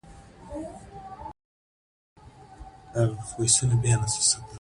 امام خمیني ویلي، شوروي افغانستان نیولی شي خو ټینګ پاتې نه شي.